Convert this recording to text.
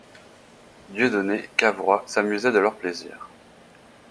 Dieudonné Cavrois s'amusait de leurs plaisirs.